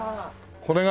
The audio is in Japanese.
これが？